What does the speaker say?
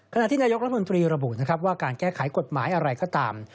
ขณะที่นายกรัฐมนตรีระบุนะครับว่าการแก้ไขกฎหมายอะไรก็ตาม